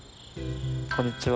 こんにちは。